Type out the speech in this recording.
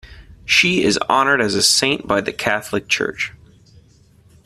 She is honored as a saint by the Catholic Church.